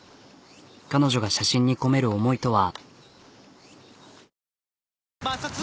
彼女が写真に込める思いとは。